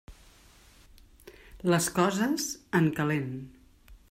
Les coses, en calent.